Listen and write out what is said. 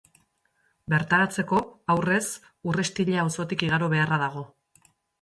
Bertaratzeko, aurrez Urrestilla auzotik igaro beharra dago.